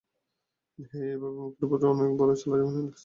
হেই, এভাবে মুখের উপর কথা বলে চলে যাবি না, অ্যালেক্স!